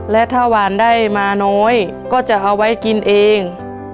และถ้าหวานได้มาน้อยก็จะเอาไว้กินเอง